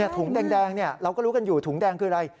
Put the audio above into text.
ถุงแดงเราก็รู้กันอยู่ถุงแดงคืออะไร